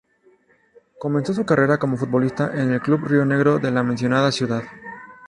Comenzó su carrera como futbolista en el Club Río Negro de la mencionada ciudad.